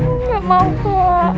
enggak mau pak